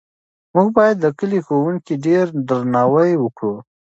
موږ باید د کلي د ښوونکي ډېر درناوی وکړو.